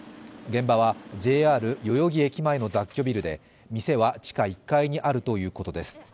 現場は、ＪＲ代々木駅前の雑居ビルで、店は地下１階にあるということです